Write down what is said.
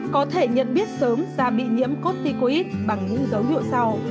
có thể nhận biết sớm da bị nhiễm corticoid bằng những dấu hiệu sau